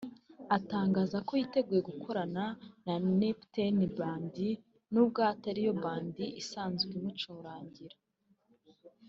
atangaza ko yiteguye gukorana na Neptunez Band nubwo atariyo Band isanzwe imucurangira